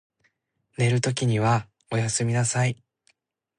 寝るときにおやすみなさい。